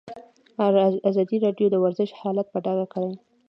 ازادي راډیو د ورزش حالت په ډاګه کړی.